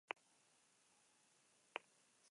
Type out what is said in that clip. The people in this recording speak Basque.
Ia etapa osoa maldan behera.